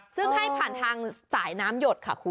ซึ่งให้ผ่านทางสายน้ำหยดค่ะคุณ